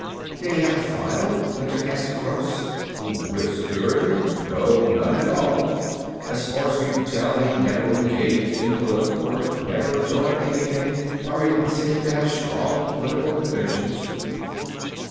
"Did he have a file?" Winter asked Gross. "With Security? No, none at all. As far as we could tell he never engaged in political work, never joined anything or even seemed to have strong political convictions."